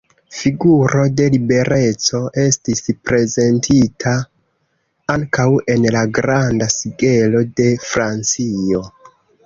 Figuro de Libereco estis prezentita ankaŭ en la Granda Sigelo de Francio.